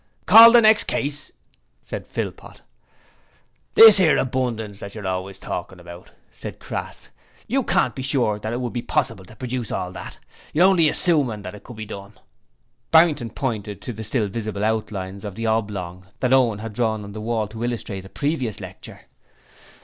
'Call the next case,' said Philpot. 'This 'ere abundance that you're always talking about,' said Crass, you can't be sure that it would be possible to produce all that. You're only assoomin' that it could be done.' Barrington pointed to the still visible outlines of the 'Hoblong' that Owen had drawn on the wall to illustrate a previous lecture.